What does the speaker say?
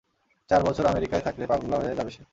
চার বছর আমেরিকায় থাকলে পাগলা হয়ে যাবে সে!